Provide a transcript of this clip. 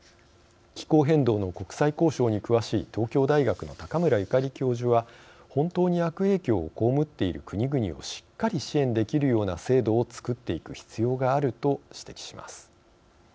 気候変動の国際交渉に詳しい東京大学の高村ゆかり教授は「本当に悪影響を被っている国々をしっかり支援できるような制度を作っていく必要がある」と指摘します。